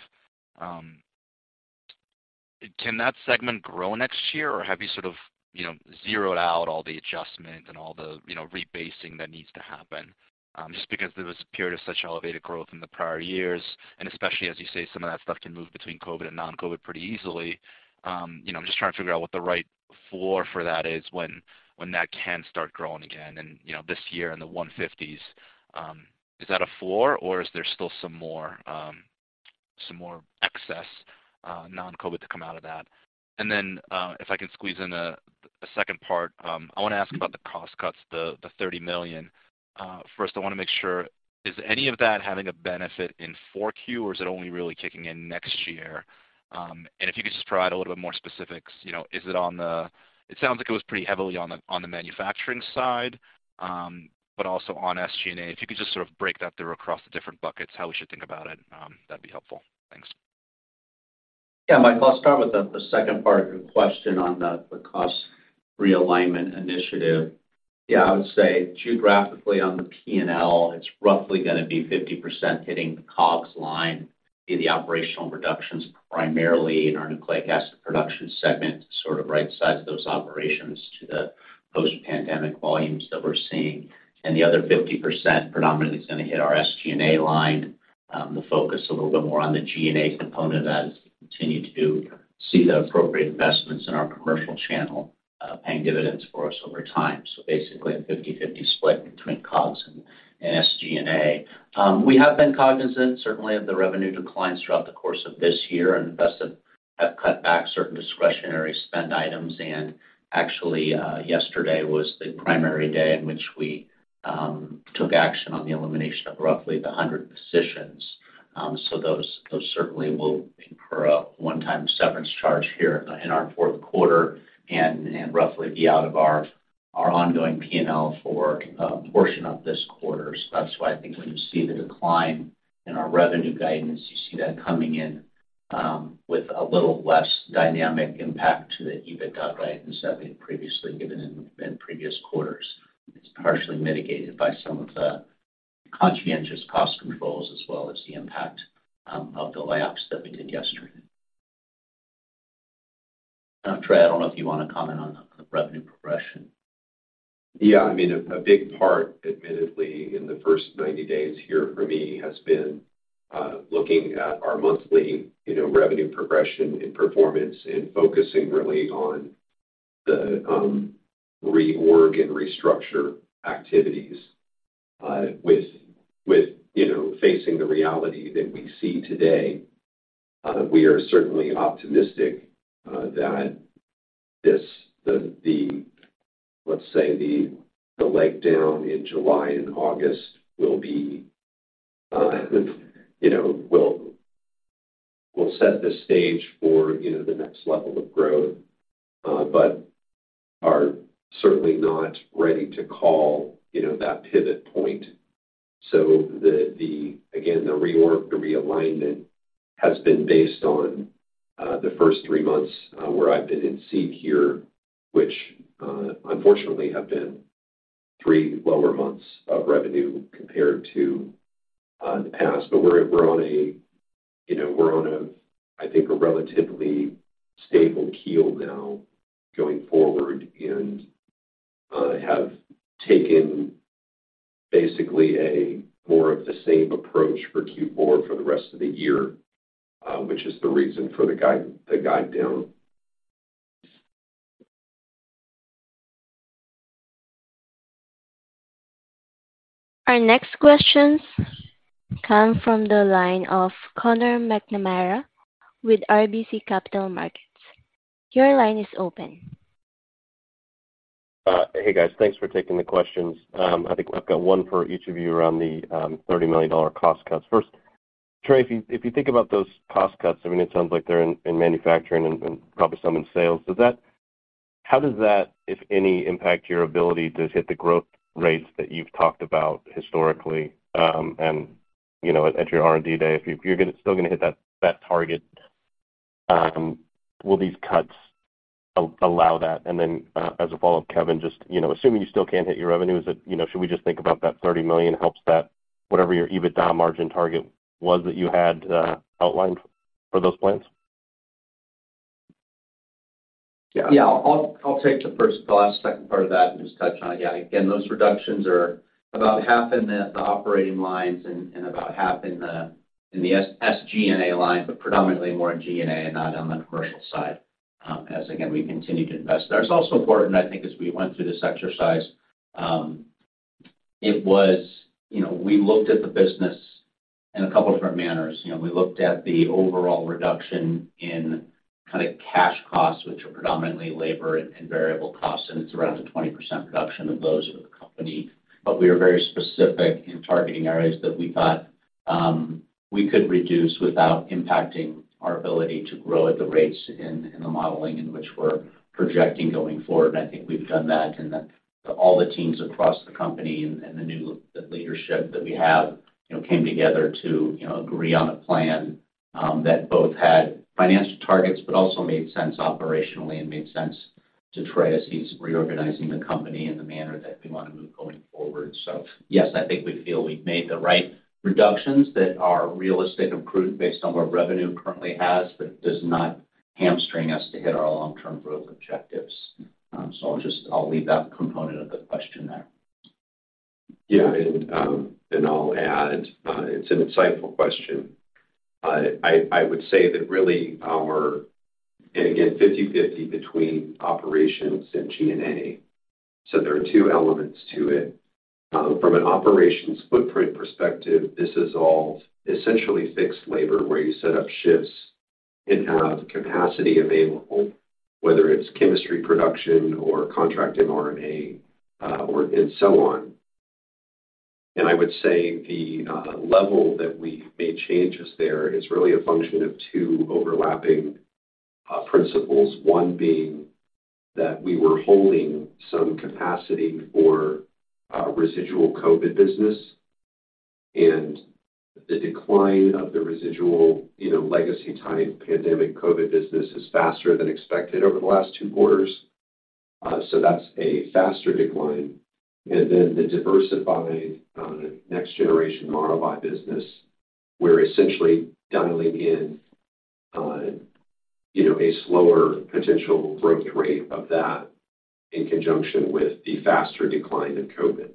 Can that segment grow next year, or have you sort of, you know, zeroed out all the adjustments and all the, you know, rebasing that needs to happen? Just because there was a period of such elevated growth in the prior years, and especially as you say, some of that stuff can move between COVID and non-COVID pretty easily. I'm just trying to figure out what the right floor for that is when, when that can start growing again, and, you know, this year in the 150s, is that a floor or is there still some more, some more excess, non-COVID to come out of that? And then, if I can squeeze in a second part, I want to ask about the cost cuts, the $30 million. First, I want to make sure, is any of that having a benefit in Q4, or is it only really kicking in next year? And if you could just provide a little bit more specifics, you know, is it on the—it sounds like it was pretty heavily on the, on the manufacturing side, but also on SG&A. If you could just sort of break that through across the different buckets, how we should think about it, that'd be helpful. Thanks. Yeah, Michael, I'll start with the second part of your question on the cost realignment initiative. Yeah, I would say geographically on the P&L, it's roughly going to be 50% hitting the COGS line in the operational reductions, primarily in our nucleic acid production segment, sort of rightsize those operations to the post-pandemic volumes that we're seeing. And the other 50% predominantly is going to hit our SG&A line. We'll focus a little bit more on the G&A component of that as we continue to see the appropriate investments in our commercial channel, paying dividends for us over time. So basically, a 50/50 split between COGS and SG&A. We have been cognizant, certainly, of the revenue declines throughout the course of this year, and thus have cut back certain discretionary spend items. Actually, yesterday was the primary day in which we took action on the elimination of roughly 100 positions. So those certainly will incur a one-time severance charge here in our fourth quarter and roughly be out of our ongoing P&L for a portion of this quarter. So that's why I think when you see the decline in our revenue guidance, you see that coming in with a little less dynamic impact to the EBITDA guidance that we had previously given in previous quarters. It's partially mitigated by some of the conscientious cost controls, as well as the impact of the layoffs that we did yesterday. Trey, I don't know if you want to comment on the revenue progression. Yeah, I mean, a big part, admittedly, in the first 90 days here for me, has been looking at our monthly, you know, revenue progression and performance and focusing really on the reorg and restructure activities. With, with, you know, facing the reality that we see today, we are certainly optimistic that this, the, the, let's say, the, the leg down in July and August will be, you know, will, will set the stage for, you know, the next level of growth, but are certainly not ready to call, you know, that pivot point. So the, the, again, the reorg, the realignment has been based on the first three months where I've been in seat here, which, unfortunately, have been three lower months of revenue compared to the past. But we're on a, you know, I think, a relatively stable keel now going forward and have taken basically a more of the same approach for Q4 for the rest of the year, which is the reason for the guide, the guide down. Our next questions come from the line of Conor McNamara with RBC Capital Markets. Your line is open. Hey, guys. Thanks for taking the questions. I think I've got one for each of you around the $30 million cost cuts. First, Trey, if you think about those cost cuts, I mean, it sounds like they're in manufacturing and probably some in sales. Does that - How does that, if any, impact your ability to hit the growth rates that you've talked about historically? And, you know, at your R&D day, if you're still gonna hit that target, will these cuts allow that? And then, as a follow-up, Kevin, just, you know, assuming you still can't hit your revenue, is it, you know, should we just think about that $30 million helps that whatever your EBITDA margin target was that you had outlined for those plans? Yeah, I'll take the first, the last second part of that and just touch on it. Yeah, again, those reductions are about half in the operating lines and about half in the SG&A line, but predominantly more in SG&A and not on the commercial side, as again, we continue to invest there. It's also important, I think, as we went through this exercise, it was, you know, we looked at the business in a couple different manners. You know, we looked at the overall reduction in kinda cash costs, which are predominantly labor and variable costs, and it's around a 20% reduction of those of the company. But we were very specific in targeting areas that we thought we could reduce without impacting our ability to grow at the rates in, in the modeling in which we're projecting going forward. And I think we've done that, and the, all the teams across the company and, and the new, the leadership that we have, you know, came together to, you know, agree on a plan that both had financial targets, but also made sense operationally and made sense to Trey as he's reorganizing the company in the manner that we wanna move going forward. So yes, I think we feel we've made the right reductions that are realistic and prudent based on where revenue currently has, but does not hamstring us to hit our long-term growth objectives. So I'll just, I'll leave that component of the question there. Yeah, and I'll add, it's an insightful question. I would say that really our... Again, 50/50 between operations and G&A, so there are two elements to it. From an operations footprint perspective, this is all essentially fixed labor, where you set up shifts and have capacity available, whether it's chemistry, production or contract mRNA, or, and so on. And I would say the level that we made changes there is really a function of two overlapping principles. One being that we were holding some capacity for residual COVID business, and the decline of the residual, you know, legacy-type pandemic COVID business is faster than expected over the last two quarters. So that's a faster decline. And then the diversified next generation mRNA business, we're essentially dialing in, you know, a slower potential growth rate of that in conjunction with the faster decline in COVID.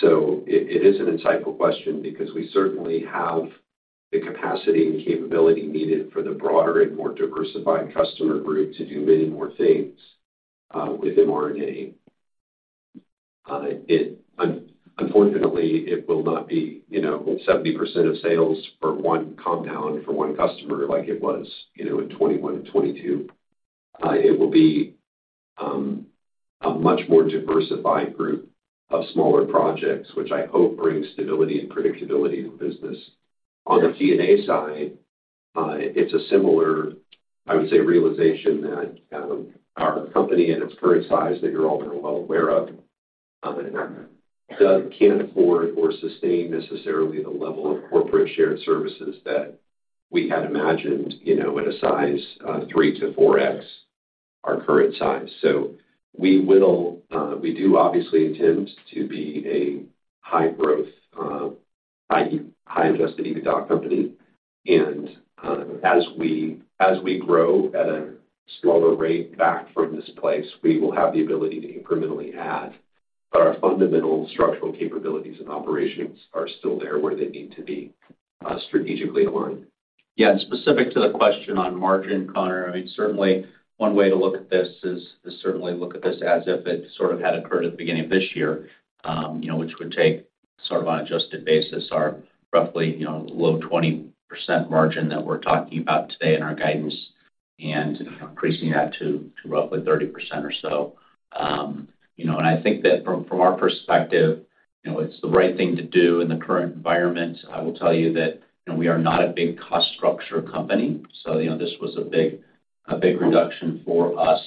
So it is an insightful question because we certainly have the capacity and capability needed for the broader and more diversified customer group to do many more things with mRNA. It unfortunately will not be, you know, 70% of sales for one compound, for one customer like it was, you know, in 2021 and 2022. It will be a much more diversified group of smaller projects, which I hope brings stability and predictability to the business. On the G&A side, it's a similar, I would say, realization that, our company in its current size, that you're all very well aware of, and, can't afford or sustain necessarily the level of corporate shared services that we had imagined, you know, in a size, 3-4x our current size. So we will, we do obviously intend to be a high growth, high, high Adjusted EBITDA company, and, as we, as we grow at a slower rate back from this place, we will have the ability to incrementally add. But our fundamental structural capabilities and operations are still there where they need to be, strategically aligned. Yeah, and specific to the question on margin, Conor, I mean, certainly one way to look at this is certainly to look at this as if it sort of had occurred at the beginning of this year. You know, which would take, sort of on an adjusted basis, our roughly low 20% margin that we're talking about today in our guidance and increasing that to roughly 30% or so. You know, and I think that from our perspective, you know, it's the right thing to do in the current environment. I will tell you that, you know, we are not a big cost structure company, so you know, this was a big, a big reduction for us....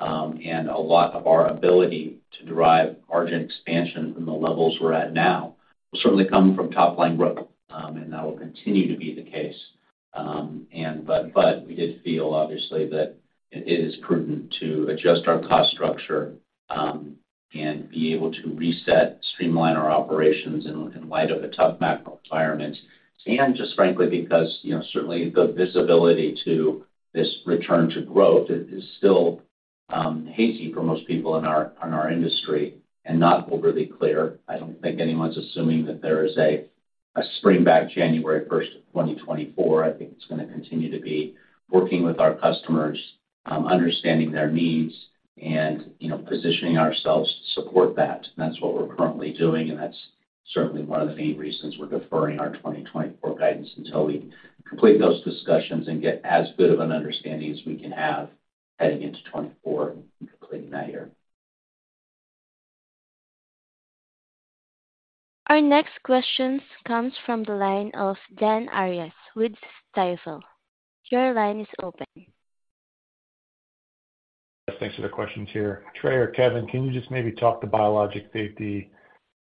And a lot of our ability to derive margin expansion from the levels we're at now will certainly come from top-line growth, and that will continue to be the case. But we did feel, obviously, that it is prudent to adjust our cost structure, and be able to reset, streamline our operations in light of a tough macro environment. And just frankly, because, you know, certainly the visibility to this return to growth is still hazy for most people in our industry and not overly clear. I don't think anyone's assuming that there is a spring back January 1, 2024. I think it's gonna continue to be working with our customers, understanding their needs and, you know, positioning ourselves to support that. That's what we're currently doing, and that's certainly one of the main reasons we're deferring our 2024 guidance until we complete those discussions and get as good of an understanding as we can have heading into 2024 and completing that year. Our next question comes from the line of Dan Arias with Stifel. Your line is open. Thanks for the questions here. Trey or Kevin, can you just maybe talk to biologics safety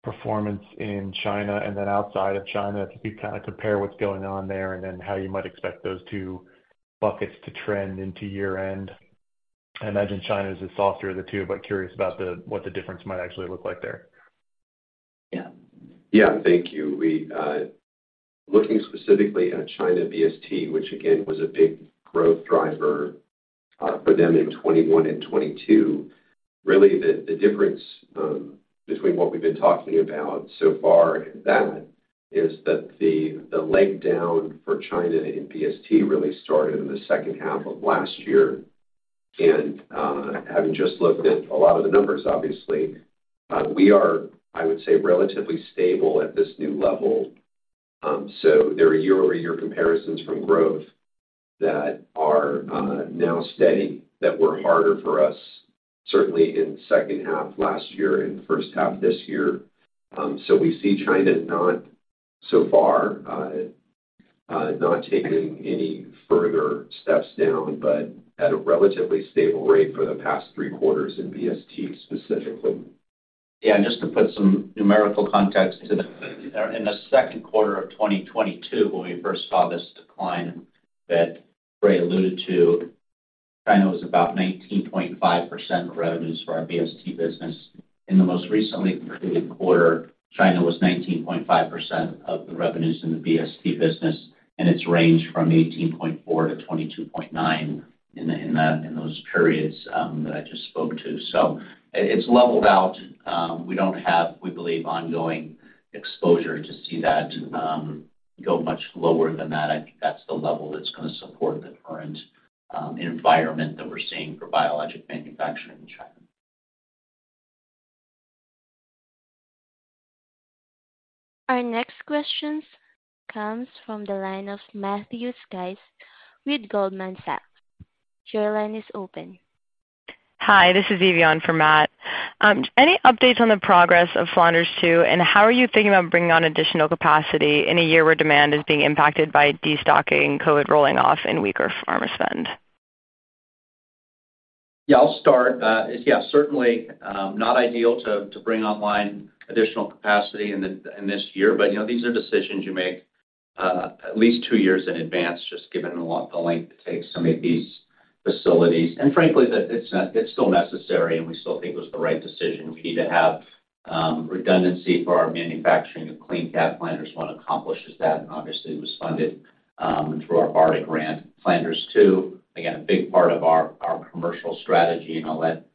performance in China and then outside of China, to kind of compare what's going on there, and then how you might expect those two buckets to trend into year-end? I imagine China is the softer of the two, but curious about what the difference might actually look like there. Yeah. Yeah. Thank you. We looking specifically at China BST, which again, was a big growth driver for them in 2021 and 2022, really, the difference between what we've been talking about so far and that, is that the leg down for China in BST really started in the second half of last year. Having just looked at a lot of the numbers, obviously, we are, I would say, relatively stable at this new level. So there are year-over-year comparisons from growth that are now steady, that were harder for us, certainly in the second half last year and first half this year. So we see China, not so far, not taking any further steps down, but at a relatively stable rate for the past three quarters in BST, specifically. Yeah, just to put some numerical context to that. In the second quarter of 2022, when we first saw this decline that Trey alluded to, China was about 19.5% of the revenues for our BST business. In the most recently completed quarter, China was 19.5% of the revenues in the BST business, and it's ranged from 18.4%-22.9% in those periods that I just spoke to. So it's leveled out, we don't have, we believe, ongoing exposure to see that go much lower than that. I think that's the level that's gonna support the current environment that we're seeing for biologic manufacturing in China. Our next question comes from the line of Matthew Skys with Goldman Sachs. Your line is open. Hi, this is Vivian for Matt. Any updates on the progress of Flanders Two, and how are you thinking about bringing on additional capacity in a year where demand is being impacted by destocking, COVID rolling off and weaker pharma spend? Yeah, I'll start. Yeah, certainly not ideal to bring online additional capacity in this year, but you know, these are decisions you make at least two years in advance, just given the length it takes some of these facilities. And frankly, that it's still necessary, and we still think it was the right decision. We need to have redundancy for our manufacturing of CleanCap. Flanders One accomplishes that, and obviously, it was funded through our BARDA grant. Flanders Two, again, a big part of our commercial strategy, and I'll let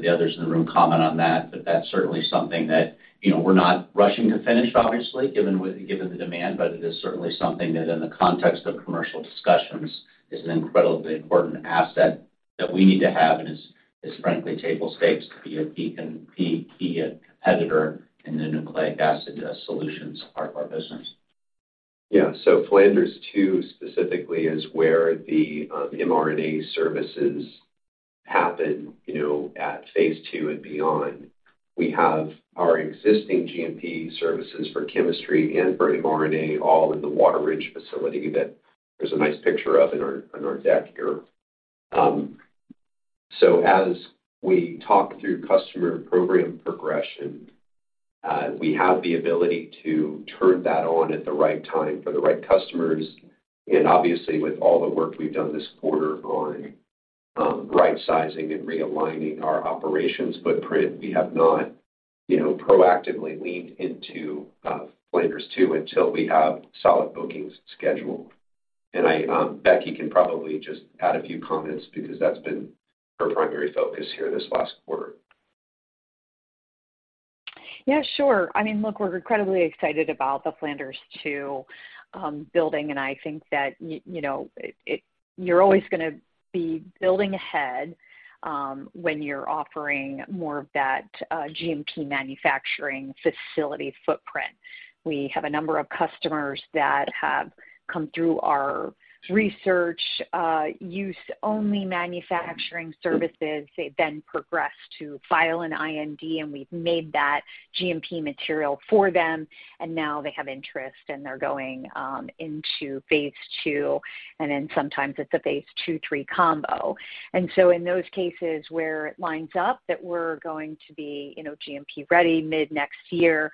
the others in the room comment on that. That's certainly something that, you know, we're not rushing to finish, obviously, given the demand, but it is certainly something that in the context of commercial discussions, is an incredibly important asset that we need to have and is frankly table stakes to be a key, key competitor in the nucleic acid solutions part of our business. Yeah. So Flanders Two, specifically, is where the mRNA services happen, you know, at phase two and beyond. We have our existing GMP services for chemistry and for mRNA, all in the Wateridge facility that there's a nice picture of in our, in our deck here. So as we talk through customer program progression, we have the ability to turn that on at the right time for the right customers. And obviously, with all the work we've done this quarter on right-sizing and realigning our operations footprint, we have not, you know, proactively leaned into Flanders Two until we have solid bookings scheduled. And I, Becky can probably just add a few comments because that's been her primary focus here this last quarter. Yeah, sure. I mean, look, we're incredibly excited about the Flanders Two building, and I think that you know, you're always gonna be building ahead when you're offering more of that GMP manufacturing facility footprint. We have a number of customers that have come through our research use only manufacturing services. They've then progressed to file an IND, and we've made that GMP material for them, and now they have interest, and they're going into phase 2, and then sometimes it's a phase 2-3 combo. And so in those cases where it lines up that we're going to be, you know, GMP ready mid-next year,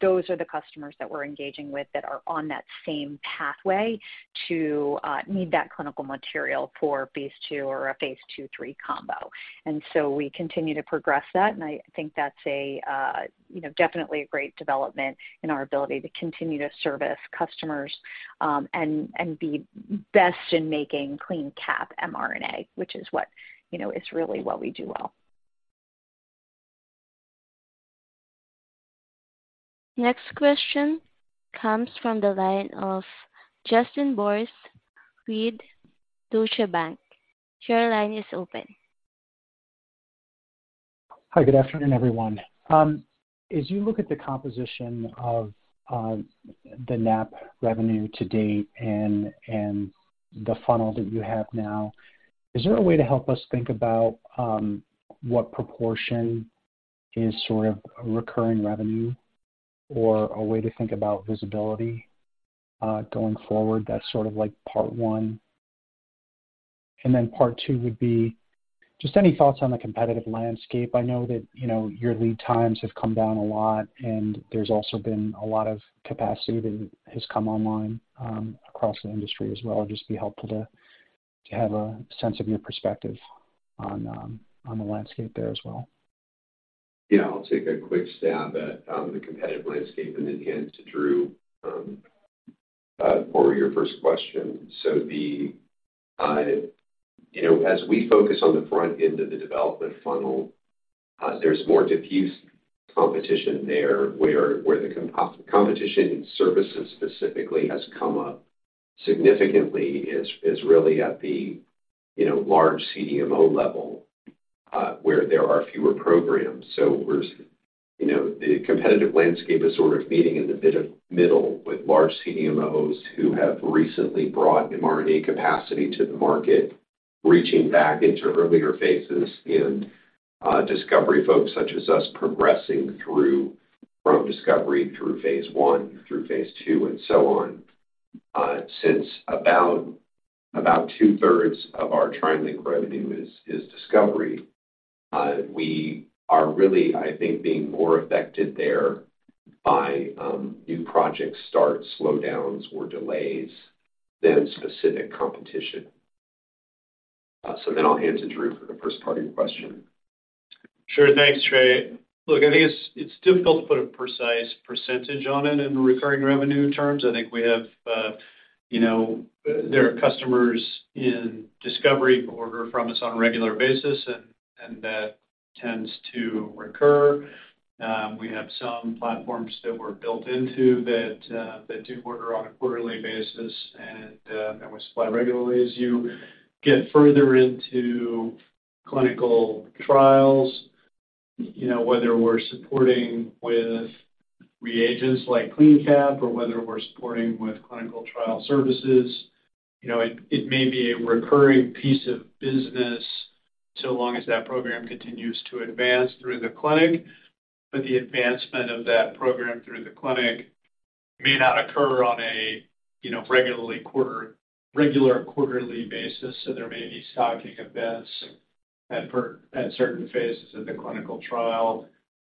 those are the customers that we're engaging with that are on that same pathway to need that clinical material for phase 2 or a phase 2-3 combo. And so we continue to progress that, and I think that's a, you know, definitely a great development in our ability to continue to service customers, and be best in making CleanCap mRNA, which is what, you know, is really what we do well. Next question comes from the line of Jaquet Boris with Deutsche Bank. Your line is open. Hi, good afternoon, everyone. As you look at the composition of the NAP revenue to date and the funnel that you have now, is there a way to help us think about what proportion is sort of a recurring revenue or a way to think about visibility going forward? That's sort of like part one. Then part two would be just any thoughts on the competitive landscape. I know that, you know, your lead times have come down a lot, and there's also been a lot of capacity that has come online across the industry as well. It'd just be helpful to have a sense of your perspective on the landscape there as well. Yeah, I'll take a quick stab at the competitive landscape, and then hand to Drew for your first question. So the, you know, as we focus on the front end of the development funnel, there's more diffuse competition there, where the competition in services specifically has come up significantly is really at the, you know, large CDMO level, where there are fewer programs. So there's, you know, the competitive landscape is sort of meeting in the middle with large CDMOs who have recently brought mRNA capacity to the market, reaching back into earlier phases and discovery folks such as us progressing through from discovery through phase one, through phase two, and so on. Since about two-thirds of our TriLink revenue is discovery, we are really, I think, being more affected there by new project starts, slowdowns, or delays than specific competition. So then I'll hand to Drew for the first part of your question. Sure. Thanks, Trey. Look, I think it's difficult to put a precise percentage on it in recurring revenue terms. I think we have, you know, there are customers in discovery who order from us on a regular basis and that tends to recur. We have some platforms that were built into that that do order on a quarterly basis and we supply regularly. As you get further into clinical trials, you know, whether we're supporting with reagents like CleanCap or whether we're supporting with clinical trial services, you know, it may be a recurring piece of business so long as that program continues to advance through the clinic, but the advancement of that program through the clinic may not occur on a regular quarterly basis. So there may be stocking events at certain phases of the clinical trial,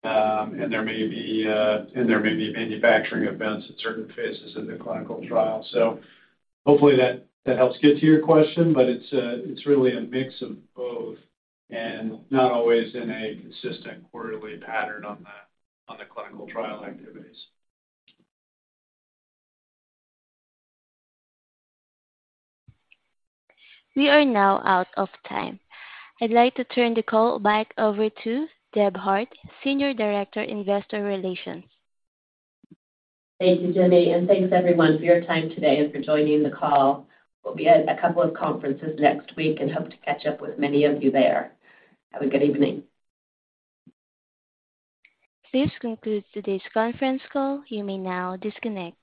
and there may be manufacturing events at certain phases of the clinical trial. So hopefully that helps get to your question, but it's really a mix of both and not always in a consistent quarterly pattern on the clinical trial activities. We are now out of time. I'd like to turn the call back over to Deb Hart, Senior Director, Investor Relations. Thank you, Jenny, and thanks, everyone, for your time today and for joining the call. We'll be at a couple of conferences next week and hope to catch up with many of you there. Have a good evening. This concludes today's conference call. You may now disconnect.